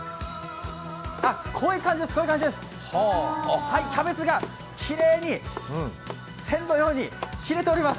こういう感じです、キャベツがきれいに線のように切れております。